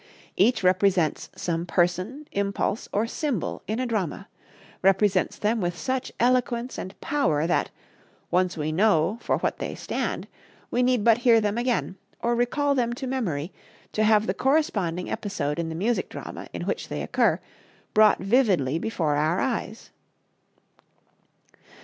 Each represents some person, impulse or symbol in a drama; represents them with such eloquence and power that, once we know for what they stand, we need but hear them again or recall them to memory to have the corresponding episode in the music drama in which they occur brought vividly before our eyes.